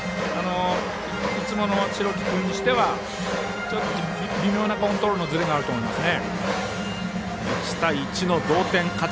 いつもの代木君にしては微妙なコントロールのズレがあると思いますね。